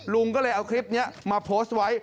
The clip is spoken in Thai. ลุงก็เลยเอาคลิปนี้มาโพสต์ไว้